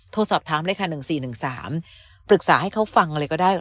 โทรศัพท์ทำเลขาหนึ่งสี่หนึ่งสามปรึกษาให้เขาฟังอะไรก็ได้